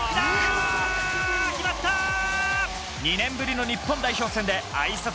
２年ぶりの日本代表戦であいさつ